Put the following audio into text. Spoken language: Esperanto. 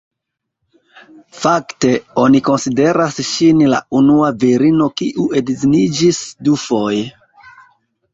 Fakte, oni konsideras ŝin la unua virino kiu edziniĝis dufoje.